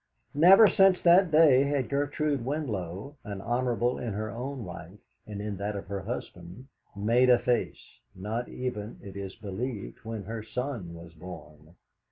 Never since that day had Gertrude Winlow, an Honourable in her own right and in that of her husband, made a face, not even, it is believed, when her son was born.